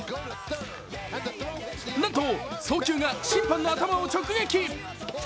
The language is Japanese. なんと送球が審判の頭を直撃。